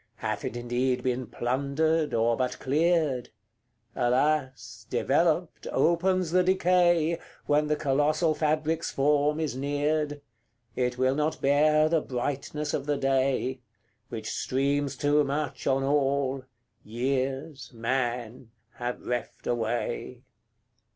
Hath it indeed been plundered, or but cleared? Alas! developed, opens the decay, When the colossal fabric's form is neared: It will not bear the brightness of the day, Which streams too much on all, years, man, have reft away.